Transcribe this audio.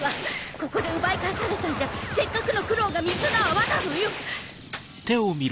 ここで奪い返されたんじゃせっかくの苦労が水の泡なのよ！